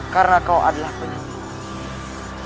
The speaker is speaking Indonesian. karena kau adalah penyembuhan